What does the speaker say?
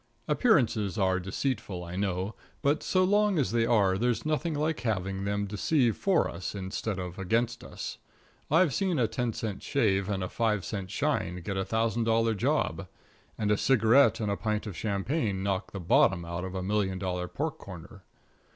Appearances are deceitful, I know, but so long as they are, there's nothing like having them deceive for us instead of against us. I've seen a ten cent shave and a five cent shine get a thousand dollar job, and a cigarette and a pint of champagne knock the bottom out of a million dollar pork corner.